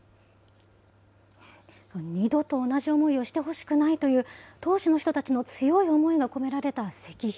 二度と同じ思いをしてほしくないという当時の人たちの強い思いが込められた石碑。